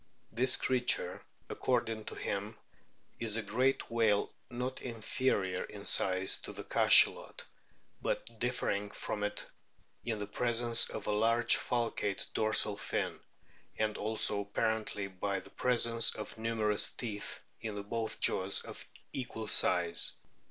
This creature, according to him, is a great whale not inferior in size to the Cachalot, but differing from it in the presence of a large falcate dorsal fin, and also apparently by the presence of numerous teeth in both jaws of equal size.